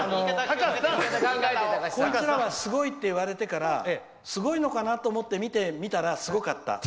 こいつらはすごいと言われてからすごいのかなと思って見てみたらすごかった。